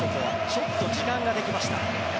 ちょっと時間ができました。